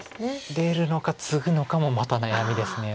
出るのかツグのかもまた悩みです。